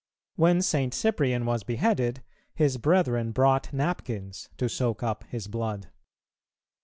When St. Cyprian was beheaded, his brethren brought napkins to soak up his blood.